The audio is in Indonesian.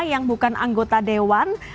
yang bukan anggota dewan